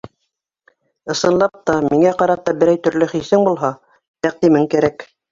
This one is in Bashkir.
Ысынлап та миңә ҡарата берәй төрлө хисең булһа, тәҡдимең кәрәк.